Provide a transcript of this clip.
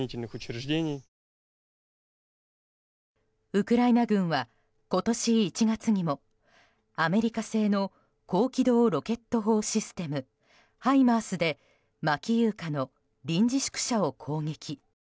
ウクライナ軍は、今年１月にもアメリカ製の高機動ロケット砲システムハイマースでマキイウカの臨時宿舎を攻撃。